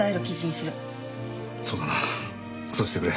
そうだなそうしてくれ。